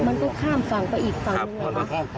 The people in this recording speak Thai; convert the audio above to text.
มันก็ข้ามฝั่งไปอีกฝั่งแล้วนะ